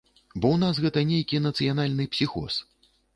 Бо ў нас гэта нейкі нацыянальны псіхоз!